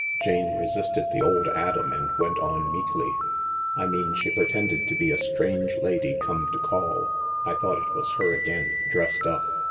Jane resisted the old Adam and went on meekly. " I mean she pretended to be a strange lady come to call, I thought it was her again, dressed up."